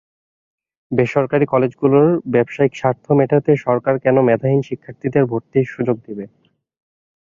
বেসরকারি কলেজগুলোর ব্যবসায়িক স্বার্থ মেটাতে সরকার কেন মেধাহীন শিক্ষার্থীদের ভর্তির সুযোগ দেবে।